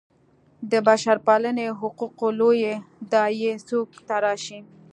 د بشرپالنې حقوقو لویې داعیې څوک تراشي.